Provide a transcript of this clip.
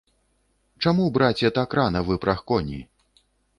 Чаму, браце, так рана выпраг коні?